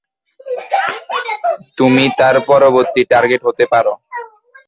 তুমি তার পরবর্তী টার্গেট হতে পারো।